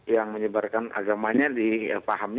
yang menyebarkan agamanya